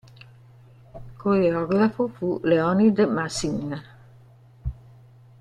Coreografo fu Léonide Massine.